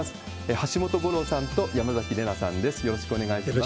橋本五郎さんと山崎怜奈さんです。